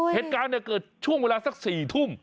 เหตุการณ์เกิดช่วงเวลาสัก๔ทุ่ม